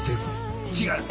違う！